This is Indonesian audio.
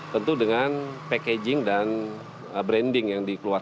tentu dengan packaging dan branding yang dikeluarkan